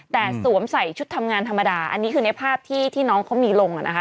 แต่สวมใส่ชุดทำงานธรรมดาอันนี้คือในภาพที่น้องเขามีลงอ่ะนะคะ